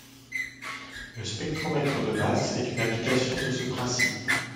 Le spectromètre de masse est une application de ce principe.